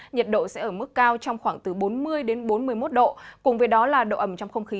nhiệt độ sẽ ở mức cao trong khoảng từ bốn mươi đến bốn mươi một độ cùng với đó là độ ẩm trong không khí